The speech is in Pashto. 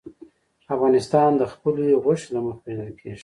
افغانستان د خپلو غوښې له مخې پېژندل کېږي.